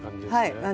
はい。